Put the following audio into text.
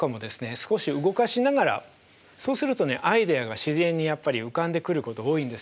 少し動かしながらそうするとねアイデアが自然にやっぱり浮かんでくること多いんですよ。